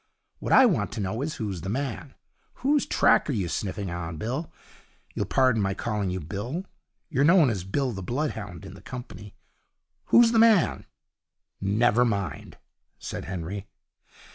What I want to know is, who's the man? Whose track are you sniffing on, Bill? You'll pardon my calling you Bill. You're known as Bill the Bloodhound in the company. Who's the man?' 'Never mind,' said Henry.